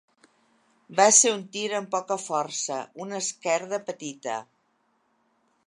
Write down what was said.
Va ser un tir amb poca força, una esquerda petita.